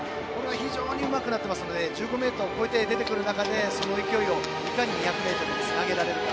非常にうまくなっているので１５ｍを超えて出てくる中でその勢いをいかに２００ｍにつなげられるか。